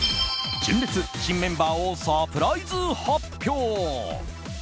純烈新メンバーをサプライズ発表。